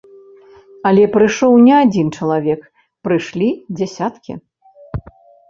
Але прыйшоў не адзін чалавек, прыйшлі дзясяткі.